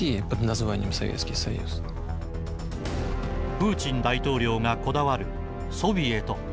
プーチン大統領がこだわるソビエト。